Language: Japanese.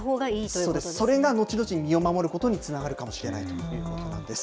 そうです、それが後々、身を守ることにつながるかもしれないということなんです。